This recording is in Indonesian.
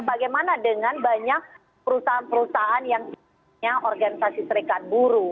bagaimana dengan banyak perusahaan perusahaan yang punya organisasi serikat buruh